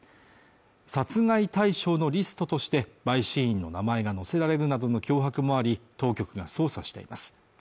殺害対象のリストとして陪審員の名前が載せられるなどの脅迫もあり当局が捜査しています